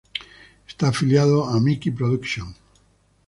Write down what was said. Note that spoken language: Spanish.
Está afiliado a Miki Production.